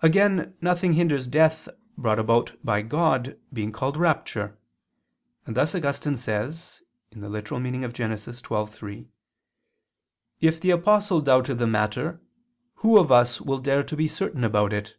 Again nothing hinders death brought about by God being called rapture; and thus Augustine says (Gen. ad lit. xii, 3): "If the Apostle doubted the matter, who of us will dare to be certain about it?"